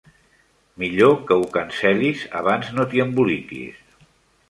Millor que ho cancel·lis abans no t'hi emboliquis.